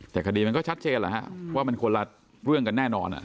แต่คดีมันก็ชัดเจนแหละฮะว่ามันคนละเรื่องกันแน่นอน